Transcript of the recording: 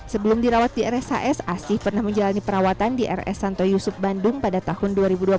sebelum dirawat di rshs asih pernah menjalani perawatan di rs santo yusuf bandung pada tahun dua ribu dua puluh